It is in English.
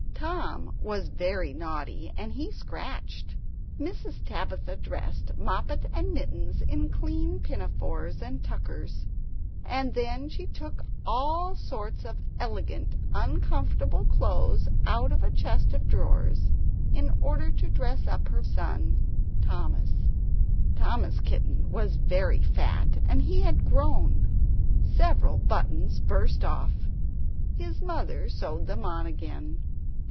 Tom was very naughty, and he scratched. Mrs. Tabitha dressed Moppet and Mittens in clean pinafores and tuckers; and then she took all sorts of elegant uncomfortable clothes out of a chest of drawers, in order to dress up her son Thomas. Tom Kitten was very fat, and he had grown; several buttons burst off. His mother sewed them on again.